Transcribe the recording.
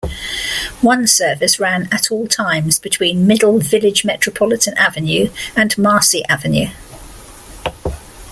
One service ran at all times between Middle Village-Metropolitan Avenue and Marcy Avenue.